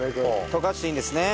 溶かしていいんですね？